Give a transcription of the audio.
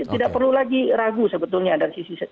tidak perlu lagi ragu sebetulnya dari sisi